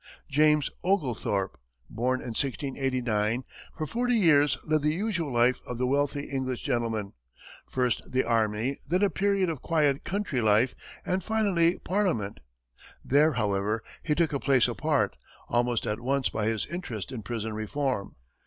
James Oglethorpe, born in 1689, for forty years led the usual life of the wealthy English gentleman first the army, then a period of quiet country life, and finally parliament. There, however, he took a place apart, almost at once, by his interest in prison reform.